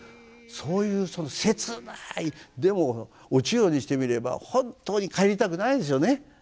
そういう切ないでもお千代にしてみれば本当に帰りたくないんですよね。